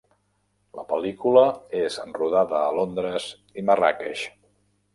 La pel·lícula és rodada a Londres i Marràqueix.